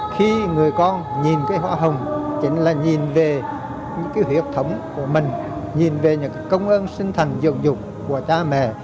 khi người con nhìn cái hoa hồng chính là nhìn về những cái huyết thống của mình nhìn về những công ơn sinh thần dược dục của cha mẹ